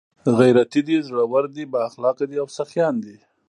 ، غيرتي دي، زړور دي، بااخلاقه دي او سخيان دي